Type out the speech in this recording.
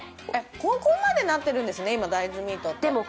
ここまでなってるんですね、今、大豆ミートって。